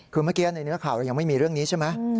คือเมื่อกี้ในเนื้อข่าวเรายังไม่มีเรื่องนี้ใช่ไหม